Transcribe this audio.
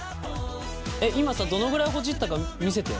今どのくらいほじったか見せて。